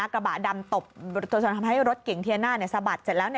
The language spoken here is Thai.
กระบะดำตบจนทำให้รถเก่งเทียน่าสะบัดเสร็จแล้ว